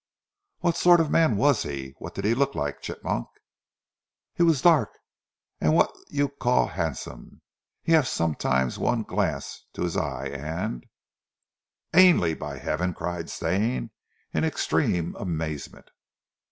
"What sort of a man was he? What did he look like, Chigmok?" "He dark an' vhat you call han'some. He haf sometimes one glass to hees eye, an " "Ainley, by Heaven!" cried Stane in extreme amazement.